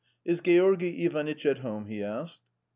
"Is Georgy Ivanitch at home?" he asked.